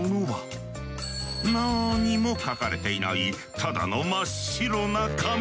何も書かれていないただの真っ白な紙。